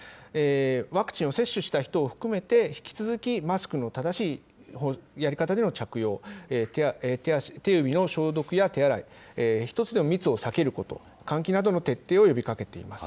ワクチンを接種した人を含めて、引き続き、マスクの正しいやり方での着用、手指の消毒や手洗い、一つでも密を避けること、換気などの徹底を呼びかけています。